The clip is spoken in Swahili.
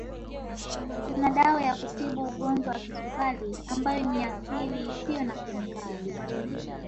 Tuna dawa ya kutibu Ugonjwa wa Kisukari ambayo ni ya asili isiyo na kemikali